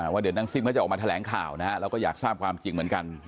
ว่าเดี๋ยวนางซิ่มเขาจะออกมาแถลงข่าวนะฮะแล้วก็อยากทราบความจริงเหมือนกัน